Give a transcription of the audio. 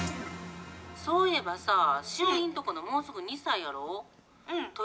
そういえばさぁ、シオリのとこの、もうすぐ２歳やろ？